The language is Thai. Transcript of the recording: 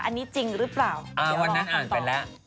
อันนี้จริงหรือเปล่าเดี๋ยวรอคำตอบวันนั้นอ่านไปแล้ว